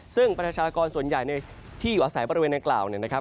ซึ่งประชากรส่วนใหญ่ในที่อยู่อาศัยบริเวณดังกล่าวเนี่ยนะครับ